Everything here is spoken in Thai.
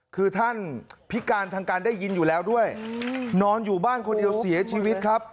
คือท่านพิการทางการได้ยินอยู่แล้วด้วยนอนอยู่บ้านคนเดียวเสียชีวิตครับ